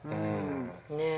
ねえ。